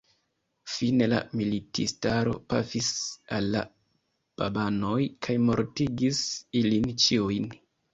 Fine la militistaro pafis al la babanoj kaj mortigis ilin ĉiujn.